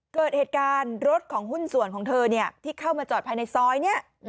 เกิดเหตุการณ์รถของหุ้นส่วนของเธอเนี่ยที่เข้ามาจอดภายในซอยนี้